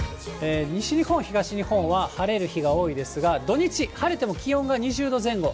西日本、東日本は晴れる日が多いですが、土日、晴れても気温が２０度前後。